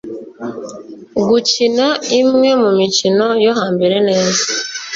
gukina imwe mu mikino yo hambere neza